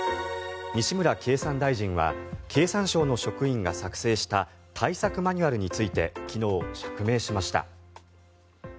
西村経産大臣は経産省の職員が作成した対策マニュアルについて昨日、釈明しました。